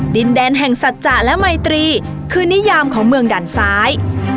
ดินแดนแห่งสัจจะและไมตรีคือนิยามของเมืองด่านซ้าย